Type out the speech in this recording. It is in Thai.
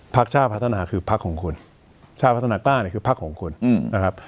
พักชาติพัฒนาคือพักของคุณชาติพัฒนากล้างคือพักของคุณนะครับ